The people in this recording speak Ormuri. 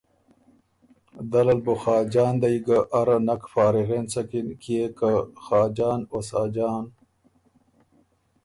دل ال بُو خاجان دئ ګه اره نک فارغ اېنڅکِن کيې که خاجان او ساجان